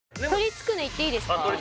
つくねいっていいですか？